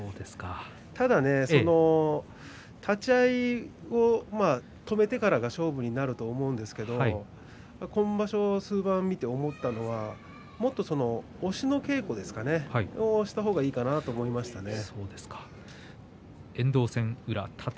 ただ、立ち合いを止めてからが勝負になると思うんですけれども今場所、数番見て思ったのがもっと押しの稽古をした方がいいかなと思いましたね。